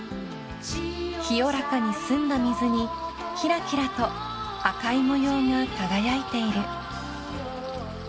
［清らかに澄んだ水にきらきらと赤い模様が輝いている］